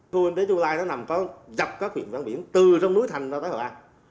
khu kinh tế trung lai nó nằm có dọc các huyện văn biển từ rông núi thành ra tới hòa an